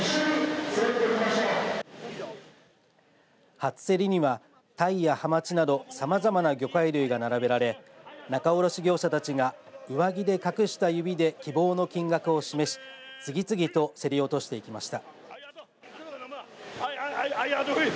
初競りには、たいや、はまちなどさまざまな魚介類が並べられ仲卸業者たちが上着で隠した指で希望の金額を示し次々と競り落としていきました。